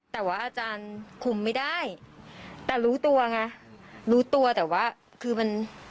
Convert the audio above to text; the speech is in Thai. แต่ว่าอาจารย์คุมไม่ได้แต่รู้ตัวไงรู้ตัวแต่ว่าคือมัน